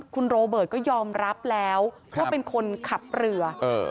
คุณโรเบิร์ตก็ยอมรับแล้วว่าเป็นคนขับเรือ